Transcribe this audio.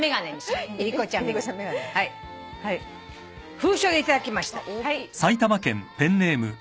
封書で頂きました。大きい。